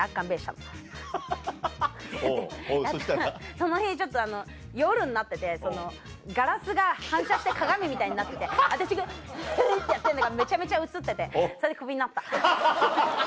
その日夜になっててガラスが反射して鏡みたいになってて私がベってやってんのがめちゃめちゃ映っててそれでクビになった。